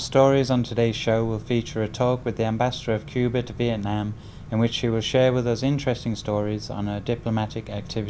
trong quá trình hoạt động ngoại giao